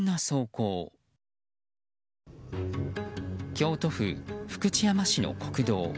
京都府福知山市の国道。